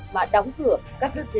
mà đóng cửa các đơn vị